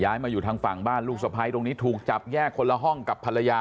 มาอยู่ทางฝั่งบ้านลูกสะพ้ายตรงนี้ถูกจับแยกคนละห้องกับภรรยา